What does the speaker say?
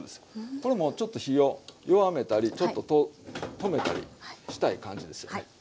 これもうちょっと火を弱めたりちょっと止めたりしたい感じですよね。